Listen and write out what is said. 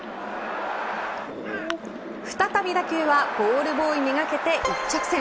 再び打球はボールボーイめがけて一直線。